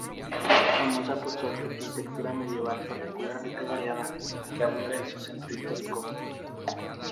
Es famosa por su arquitectura medieval, particularmente variada, que abunda en su Centro Histórico.